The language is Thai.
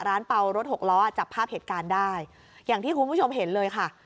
เป่ารถหกล้อจับภาพเหตุการณ์ได้อย่างที่คุณผู้ชมเห็นเลยค่ะ